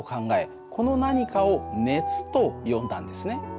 この何かを熱と呼んだんですね。